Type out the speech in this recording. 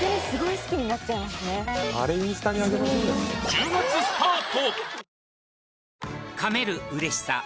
１０月スタート。